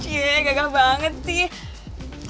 cie gagal banget sih